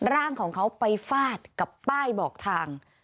ร่างของเขาไปฟาดกับป้ายบอกทาง